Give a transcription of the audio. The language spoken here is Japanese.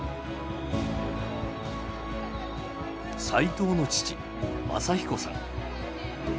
齋藤の父雅彦さん。